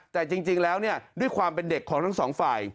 แต่จริงแล้วด้วยความเป็นเด็กของทั้งสองฝ่าย